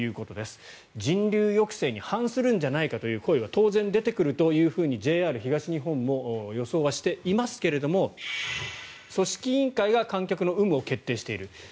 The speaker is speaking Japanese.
人流抑制に反するんじゃないかという声が当然、出てくるというふうにＪＲ東日本も予想はしていますけれど組織委員会が観客の有無を決定している。